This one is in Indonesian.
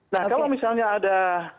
nah kalau misalnya ada